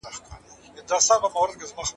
ارمان کاکا خپلې خاطرې په زړه کې ساتي.